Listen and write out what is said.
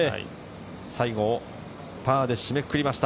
最後、パーで締めくくりました。